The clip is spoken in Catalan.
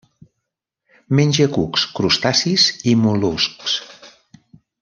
Menja cucs, crustacis i mol·luscs.